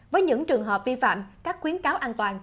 với những trường hợp vi phạm các khuyến cáo an toàn